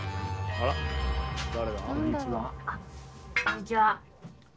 あっこんにちは。